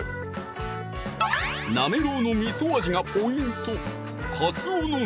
なめろうのみそ味がポイント